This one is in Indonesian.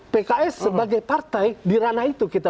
pks sebagai partai di ranah itu kita